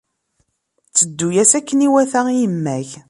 Tteddu-as akken iwata i yemma-k.